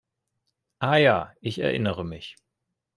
Ah ja, ich erinnere mich!